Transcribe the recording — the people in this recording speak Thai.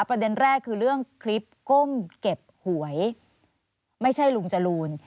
ประเด็นแรกคือเรื่องคลิปก้มเก็บหวยไม่ใช่ลุงจรูน